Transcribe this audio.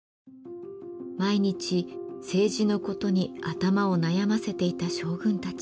毎日政治のことに頭を悩ませていた将軍たち。